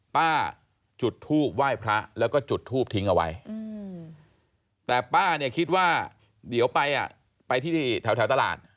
ป้าจุดทูบไหว้พระแล้วก็จุดทูบทิ้งเอาไว้แต่ป้าเนี่ยคิดว่าเดี๋ยวไปอ่ะไปที่แถวตลาด